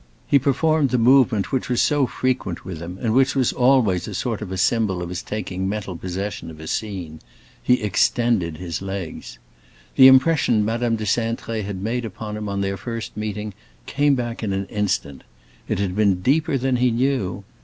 He performed the movement which was so frequent with him, and which was always a sort of symbol of his taking mental possession of a scene—he extended his legs. The impression Madame de Cintré had made upon him on their first meeting came back in an instant; it had been deeper than he knew.